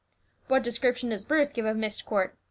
"What description does Bruce give of Myst Court?"